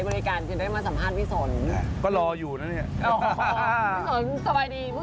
เพิ่งแต่งงานครับ